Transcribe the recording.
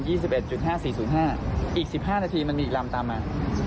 อีก๑๕นาทีมันมีอีกลำตามมา